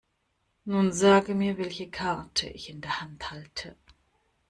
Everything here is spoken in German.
Nun sage mir, welche Karte ich in der Hand halte.